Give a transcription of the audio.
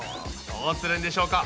どうするんでしょうか？